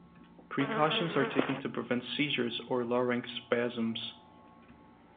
Precautions are taken to prevent seizures or larynx spasms.